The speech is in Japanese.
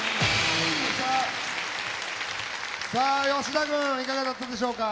さあ吉田君いかがだったでしょうか？